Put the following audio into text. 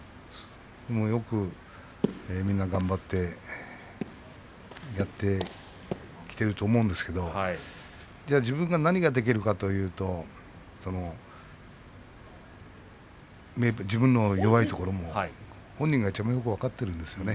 よくみんな頑張ってやってきていると思うんですけれどでは自分が何ができるかというと自分の弱いところも本人がいちばん分かっているんですよね